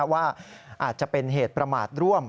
ว่าอาจจะเป็นเหตุประมาทร่วม